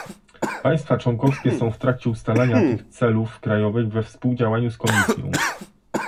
Państwa członkowskie są w trakcie ustalania tych celów krajowych we współdziałaniu z Komisją